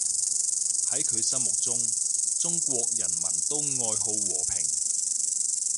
喺佢心目中，中國人民都愛好和平